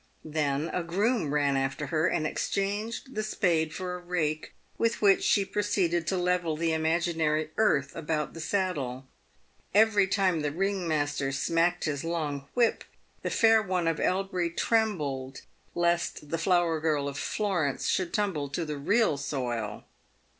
Then a groom ran after her, and exchanged the spade for a rake, with which she proceeded to level the imaginary earth about the saddle. Every time the ring master smacked his long whip, the fair one of Elbury trembled lest the flower girl of Florence should tumble to the real soil.